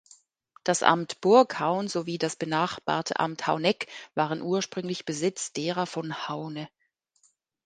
Das Amt Burghaun sowie das benachbarte Amt Hauneck waren ursprünglich Besitz derer von Haune.